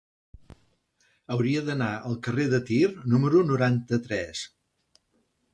Hauria d'anar al carrer de Tir número noranta-tres.